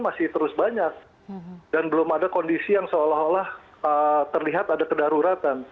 masih terus banyak dan belum ada kondisi yang seolah olah terlihat ada kedaruratan